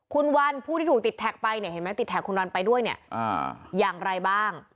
คุณวันผู้ที่ถูกติดแท็กไปเนี่ยเห็นไหมติดแท็กคุณวันไปด้วยเนี่ยอย่างไรบ้าง